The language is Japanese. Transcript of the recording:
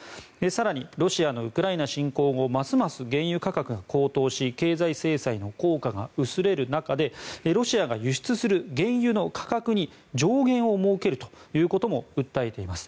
更に、ロシアのウクライナ侵攻後ますます原油価格が高騰し経済制裁の効果が薄れる中でロシアが輸出する原油の価格に上限を設けるということも訴えています。